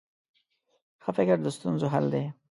ښه فکر د ستونزو حل دی.